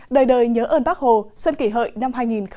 đời đời nhớ ơn bác hồ xuân kỷ hợi năm hai nghìn một mươi chín